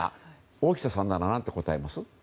大下さんなら何て答えますか？